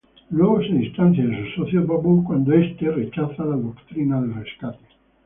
Luego se distancia de su socio Barbour cuando este rechaza la doctrina del Rescate.